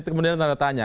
kemudian tanda tanya